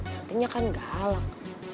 nantinya kan galak